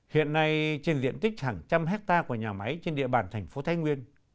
hiện nay trên diện tích hàng trăm hectare của nhà máy trên địa bàn thành phố thái nguyên